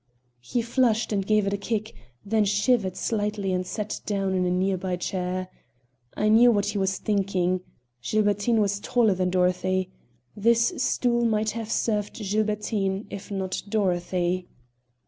He flushed and gave it a kick, then shivered slightly and sat down in a near by chair. I knew what he was thinking. Gilbertine was taller than Dorothy. This stool might have served Gilbertine if not Dorothy.